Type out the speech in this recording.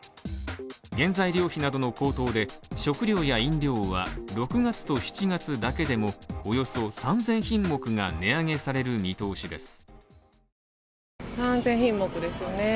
原材料費などの高騰で食料や飲料は６月と７月だけでもおよそ３０００品目が値上げされる見通しです。